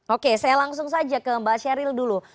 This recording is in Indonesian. oke saya langsung saja ke mbak sheryl dulu